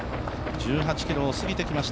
１８ｋｍを過ぎてきました、